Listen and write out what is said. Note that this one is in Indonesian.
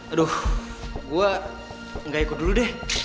aduh gua ga ikut dulu deh